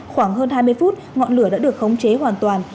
khoảng hơn hai mươi phút ngọn lửa đã được khống chế hoàn toàn